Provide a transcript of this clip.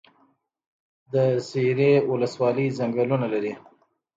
د سپیرې ولسوالۍ ځنګلونه لري